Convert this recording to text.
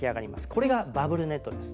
これがバブルネットです。